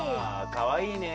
かわいいねえ。